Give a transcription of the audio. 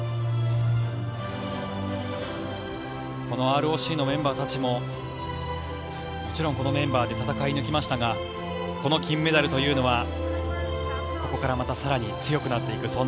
このＲＯＣのメンバーたちももちろんこのメンバーで戦い抜きましたがこの金メダルというのはここからまた更に強くなっていく。